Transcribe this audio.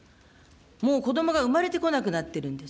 もう子どもが産まれてこなくなっているんです。